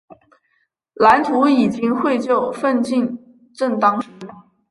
蓝图已经绘就，奋进正当时。